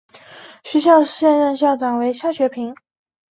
学校现任校长为肖学平。